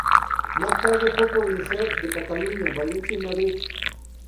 Más tarde fue provincial de Cataluña, Valencia y Madrid.